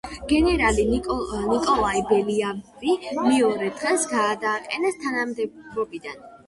გენერალი ნიკოლაი ბელიაევი მეორე დღეს გადააყენეს თანამდებობიდან.